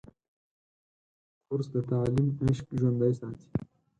کورس د تعلیم عشق ژوندی ساتي.